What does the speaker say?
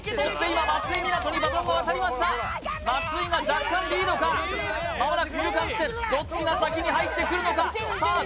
今松井奏にバトンが渡りました松井が若干リードか間もなく中間地点どっちが先に入ってくるのかさあ